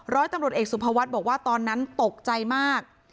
ร้อยตำรวจเอกสุภวัฒน์บอกว่าตอนนั้นตกใจมาก